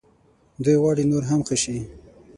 دوی غواړي نور هم ښه شي.